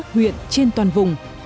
huyện trên toàn vùng